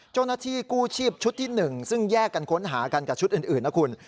เจ้าหน้าที่กู้ชีพชุดที่๑ซึ่งแยกกันค้นหากันกับชุดอื่นนะคุณ